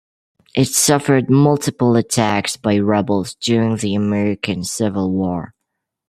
It suffered multiple attacks by rebels during the American Civil War.